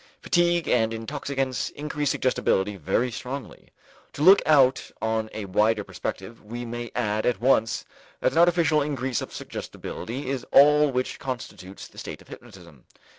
Fatigue and intoxicants increase suggestibility very strongly. To look out on a wider perspective, we may add at once that an artificial increase of suggestibility is all which constitutes the state of hypnotism.